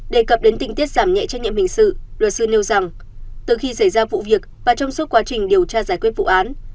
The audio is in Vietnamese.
đề cập đến tình tiết giảm nhẹ trách nhiệm hình sự luật sư nêu rằng từ khi xảy ra vụ việc và trong suốt quá trình điều tra giải quyết vụ án